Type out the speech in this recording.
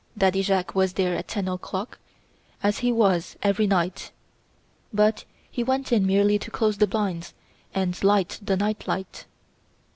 Daddy Jacques was there at ten o'clock, as he was every night; but he went in merely to close the blinds and light the night light.